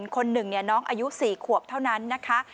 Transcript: คนหนึ่งน้องอายุ๔ขวบเท่านั้นนะคะ